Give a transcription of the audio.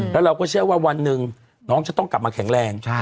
แล้วเราก็เชื่อว่าวันหนึ่งน้องจะต้องกลับมาแข็งแรง